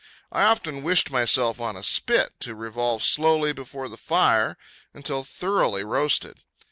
I often wished myself on a spit, to revolve slowly before the fire until thoroughly roasted.